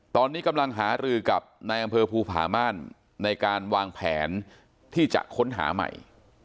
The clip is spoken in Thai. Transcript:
ตอนนี้กำลังหารือกับนายอำเภอภูผาม่านในการวางแผนที่จะค้นหาใหม่